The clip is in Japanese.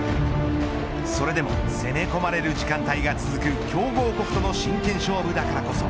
それでも攻め込まれる時間帯が続く強豪国との真剣勝負だからこそ